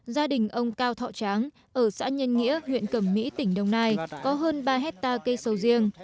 gia đình ông cao thọ tráng ở xã nhân nghĩa huyện cẩm mỹ tỉnh đồng nai có hơn ba hectare cây sầu riêng